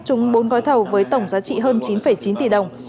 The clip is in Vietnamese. trúng bốn gói thầu với tổng giá trị hơn chín chín tỷ đồng